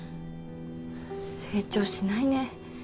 成長しないね。